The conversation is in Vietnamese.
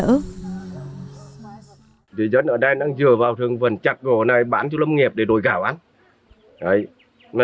người dân ở đây đang dựa vào thường vận chặt gỗ này bán cho lâm nghiệp để đổi gạo ăn